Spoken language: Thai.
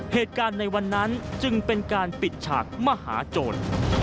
เหตุการณ์ในวันนั้นจึงเป็นการปิดฉากมหาโจร